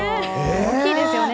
大きいですよね。